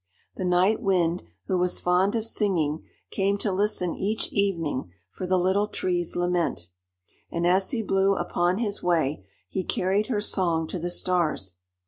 The Night Wind, who was fond of singing, came to listen each evening for the Little Tree's lament, and as he blew upon his way, he carried her song to the Stars.